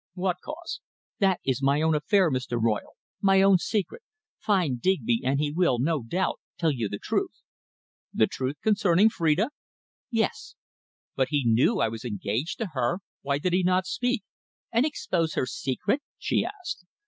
"What cause?" "That is my own affair, Mr. Royle my own secret. Find Digby, and he will, no doubt, tell you the truth." "The truth concerning Phrida?" "Yes." "But he knew I was engaged to her! Why did he not speak?" "And expose her secret?" she asked.